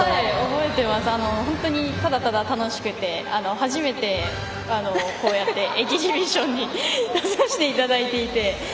本当にただただ楽しくて初めてこうやって、エキシビジョンに出させていただいて。